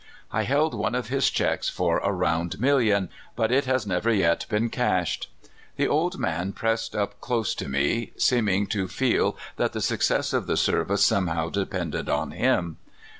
I held one of his checks for a round million, but it has never yet been cashed. The old man pressed up close to me, seeming to feel that the success of the service somehow depended on him.